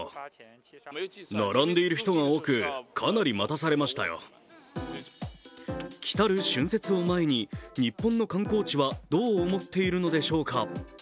そのため来たる春節を前に日本の観光地はどう思っているのでしょうか。